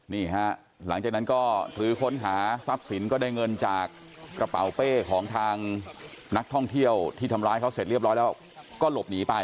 นี่ฮะหลังจากนั้นก็รื้อค้นหาทรัพย์สินก็ได้เงินจากกระเป๋าเป้ของทางนักท่องเที่ยวที่ทำร้ายเขาเสร็จเรียบร้อยแล้วก็หลบหนีไป